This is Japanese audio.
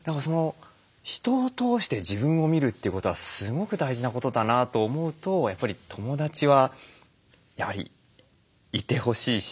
人を通して自分を見るということはすごく大事なことだなと思うとやっぱり友だちはやはりいてほしいし